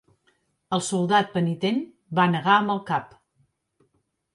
El soldat penitent va negar amb el cap.